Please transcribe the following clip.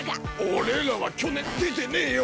俺らは去年出てねぇよ！